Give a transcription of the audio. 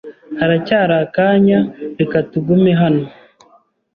Haracyari akanya reka tugume hano?